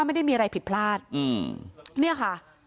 ไม่มีอะไรผิดพลาดเนี่ยค่ะ